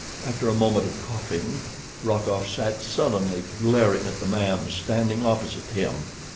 After a moment of coughing Rokoff sat sullenly glaring at the man standing opposite him.